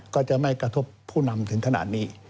ก็จะไม่กระทบผู้นำถึงขนาดนี้